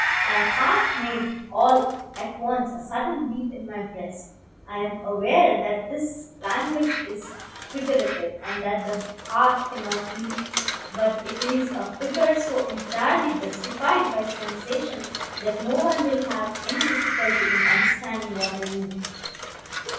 My heart made all at once a sudden leap in my breast. I am aware that this language is figurative, and that the heart cannot leap; but it is a figure so entirely justified by sensation, that no one will have any difficulty in understanding what I mean.